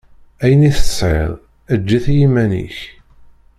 Ayen i tesɛiḍ, eǧǧ-it i yiman-ik.